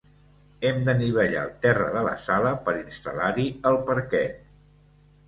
Hem d'anivellar el terra de la sala per instal·lar-hi el parquet.